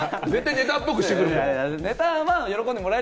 ネタっぽくしてくるもん。